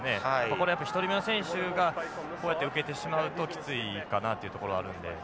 これやっぱ１人目の選手がこうやって受けてしまうときついかなというところあるんで。